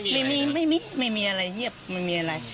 ไม่มีไม่มีอะไรเงียบไม่มีอะไร